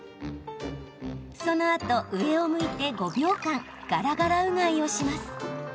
そのあと、上を向いて５秒間ガラガラうがいをします。